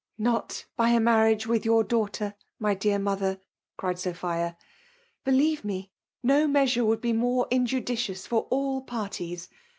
*'Not by a marriage with your daughter, my dear mother!*' cried Sophia. <' Believe me, no measure would be more injudicious for all parties.